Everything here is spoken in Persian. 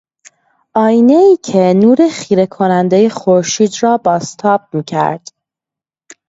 آینهای که نور خیره کنندهی خورشید را بازتاب میکرد